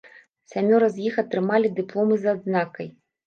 Сямёра з іх атрымалі дыпломы з адзнакай.